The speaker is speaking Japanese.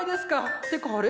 ってかあれ？